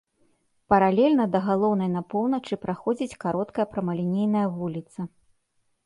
Паралельна да галоўнай на поўначы праходзіць кароткая прамалінейная вуліца.